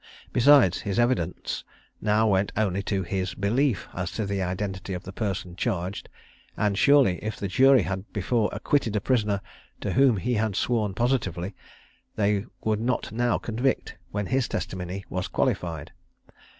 Besides, his evidence now went only to his 'belief' as to the identity of the person charged: and surely if the jury had before acquitted a prisoner to whom he had sworn positively, they would not now convict, when his testimony was qualified."